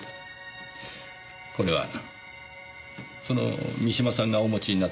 これはその三島さんがお持ちになっていた領収書です。